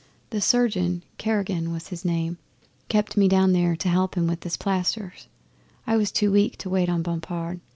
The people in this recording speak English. The surgeon, Karaguen his name was, kept me down there to help him with his plasters I was too weak to wait on Bompard.